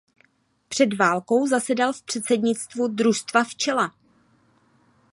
Před válkou zasedal v předsednictvu družstva Včela.